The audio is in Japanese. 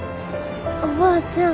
おばあちゃん